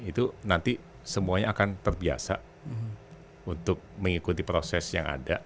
itu nanti semuanya akan terbiasa untuk mengikuti proses yang ada